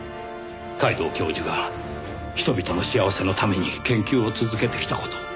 皆藤教授が人々の幸せのために研究を続けてきた事を。